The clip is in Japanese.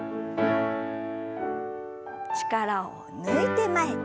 力を抜いて前。